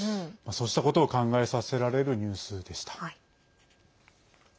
そうしたことを考えさせられるニュースでした。